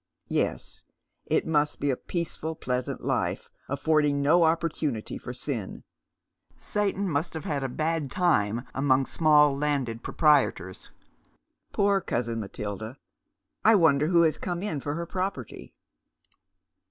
Yes, it must be a peaceful, pleasant life, affording no opportunity for sin. Satan must have a bad time among small landed pro piietors. Poor cousin Matilda 1 I wonder who has come in for her property